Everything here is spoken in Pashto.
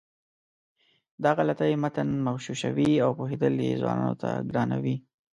دا غلطۍ متن مغشوشوي او پوهېدل یې ځوانانو ته ګرانوي.